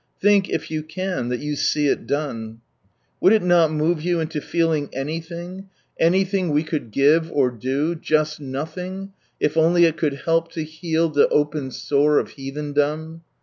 Think, if you can, that you see it done. Would it not move you into feeling anything, anything we could give or do, just nothing, if only it cnuld help to heal the " open sore " of Heathendom